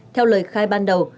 theo lời khai ban đầu